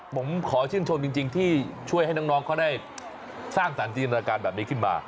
ผมขอชื่นชมจริงที่ช่วยให้น้องเขาได้สร้างสรรคจินตนาการแบบนี้ขึ้นมา